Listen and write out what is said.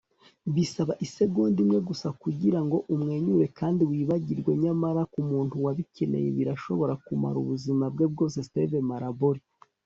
bisaba isegonda imwe gusa kugirango umwenyure kandi wibagirwe, nyamara kumuntu wabikeneye, birashobora kumara ubuzima bwe bwose. - steve maraboli